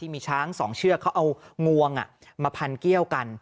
มีช้าง๒เชือกเขาเอางวงมาพันเกี้ยวกัน